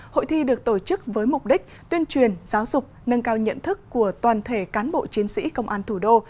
hội thi được tổ chức với mục đích tuyên truyền giáo dục nâng cao nhận thức của toàn thể cán bộ chiến sĩ công an thủ đô